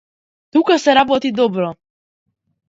Тука се работи добро.